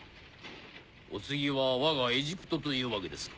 お次はわがエジプトというわけですか。